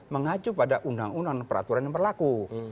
mengacu pada undang undang peraturan yang berlaku